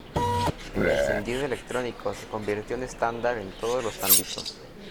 El encendido electrónico se convirtió en estándar en todos los ámbitos.